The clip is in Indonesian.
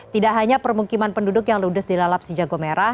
tidak hanya permukiman penduduk yang ludes dilalap si jago merah